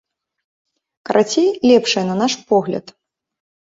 Карацей, лепшае на наш погляд.